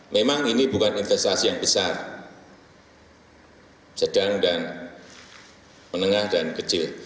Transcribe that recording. memang ini bukan investasi yang besar sedang dan menengah dan kecil